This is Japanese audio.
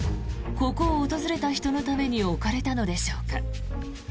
ここを訪れた人のために置かれたのでしょうか。